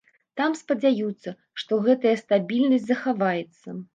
Там спадзяюцца, што гэтая стабільнасць захаваецца.